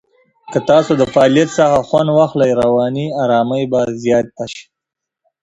که تاسو د فعالیت څخه خوند واخلئ، رواني آرامۍ به زیاته شي.